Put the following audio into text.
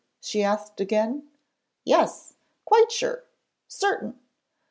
she asked again. 'Yes quite sure; certain.'